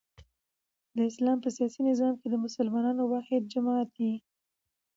د اسلام په سیاسي نظام کښي د مسلمانانو واحد جماعت يي.